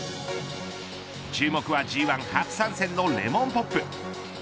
注目はＧ１初参戦のレモンポップ。